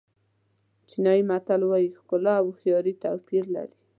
چینایي متل وایي ښکلا او هوښیاري توپیر لري.